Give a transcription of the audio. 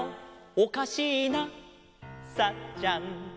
「おかしいなサッちゃん」